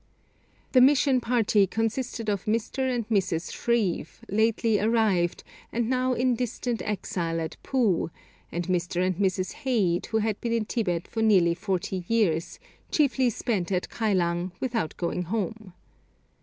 The mission party consisted of Mr. and Mrs. Shreve, lately arrived, and now in a distant exile at Poo, and Mr. and Mrs. Heyde, who had been in Tibet for nearly forty years, chiefly spent at Kylang, without going home.